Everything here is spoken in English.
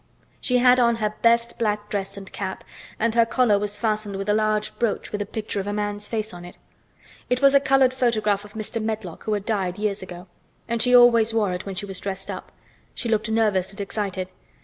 She had on her best black dress and cap, and her collar was fastened with a large brooch with a picture of a man's face on it. It was a colored photograph of Mr. Medlock who had died years ago, and she always wore it when she was dressed up. She looked nervous and excited.